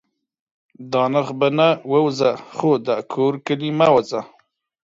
دا نرخ په نه. ووځه خو دا کور کلي مه ووځه